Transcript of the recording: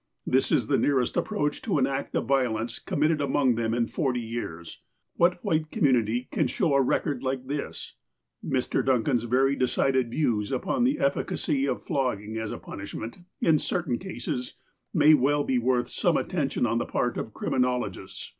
That is the nearest approach to an act of violence com mitted amoug them in forty years ! What white community can show a record like this? Mr. Duncan's very decided views upon the efficacy of flogging as a punishment, in certain cases, may be well worth some attention on the part of criminologists.